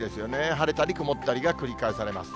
晴れたり曇ったりが繰り返されます。